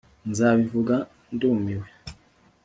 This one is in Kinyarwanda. Nzabivuga ndumiwe